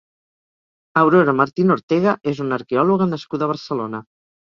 Aurora Martín Ortega és una arqueòloga nascuda a Barcelona.